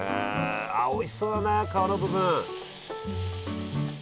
あおいしそうだな皮の部分！